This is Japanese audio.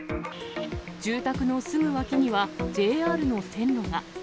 住宅のすぐ脇にはＪＲの線路が。